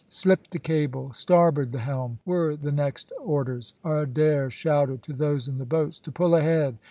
"Slip the cable, starboard the helm!" were the next orders. Adair shouted to those in the boats to pull ahead.